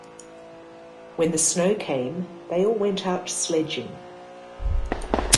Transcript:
When the snow came, they all went out sledging.